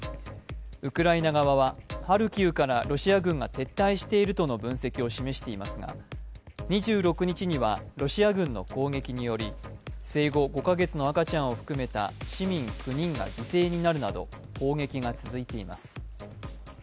ウクライナ側はハルキウからロシア軍が撤退しているとの分析を示していますが２６日にはロシア軍の攻撃により生後５カ月の赤ちゃんを含めた市民９人が犠牲になるなど砲撃が続いています。